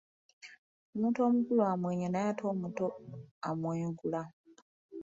Omuntu omukulu amwenya naye ate omuto amwegula.